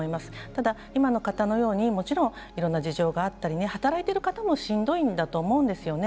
ただ今の方のようにいろんな事情があって働いている方もしんどいと思うんです。